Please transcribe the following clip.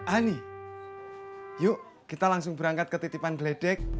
ani yuk kita langsung berangkat ke titipan geledek